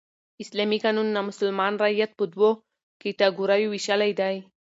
اسلامي قانون نامسلمان رعیت په دوو کېټه ګوریو ویشلى دئ.